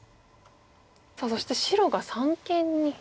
さあそして白が三間に。